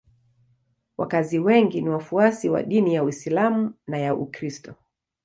Wakazi wengi ni wafuasi wa dini ya Uislamu na ya Ukristo.